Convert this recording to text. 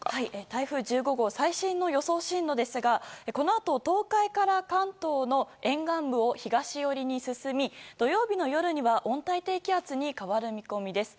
台風１５号最新の予想進路ですがこのあと東海から関東の沿岸部を東寄りに進み、土曜日の夜には温帯低気圧に変わる見込みです。